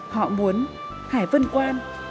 họ muốn hải vân quan